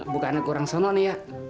bukannya kurang sono nih ya